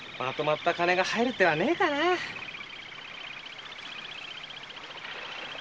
まとまった金が入る「手」はねぇかなぁ。